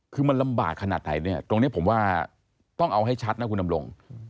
คือมันลำบากขนาดไหนเนี่ยตรงนี้ผมว่าต้องเอาให้ชัดนะคุณดำรง